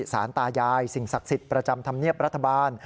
สารตายายสิ่งศักดิ์สิทธิ์ประจำธรรมเนียบรัฐบาล